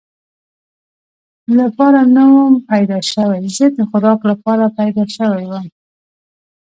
لپاره نه ووم پیدا شوی، زه د خوراک لپاره پیدا شوی ووم.